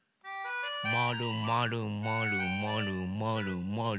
まるまるまるまるまるまる。